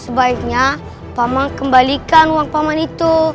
sebaiknya paman kembalikan uangpaman itu